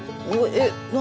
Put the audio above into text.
えっ何？